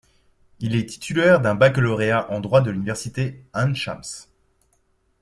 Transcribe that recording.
Il est titulaire d'un baccalauréat en droit de l'université Ain Shams.